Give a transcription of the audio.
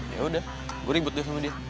ya udah gua ribet deh sama dia